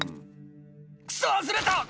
「クソ外れた！」